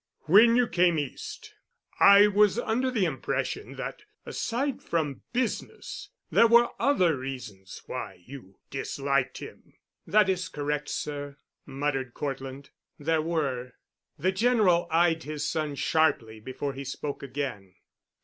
When you came East I was under the impression that, aside from business, there were other reasons, why you disliked him." "That is correct, sir," muttered Cortland, "there were." The General eyed his son sharply before he spoke again.